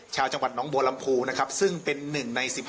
ชาวจังหวัดน้องบัวลำพูนะครับซึ่งเป็น๑ใน๑๕